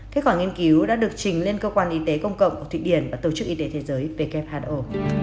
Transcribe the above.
kết quả nghiên cứu đã được trình lên cơ quan y tế công cộng của thụy điển và tổ chức y tế thế giới who